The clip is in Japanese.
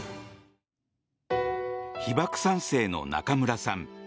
被爆３世の中村さん。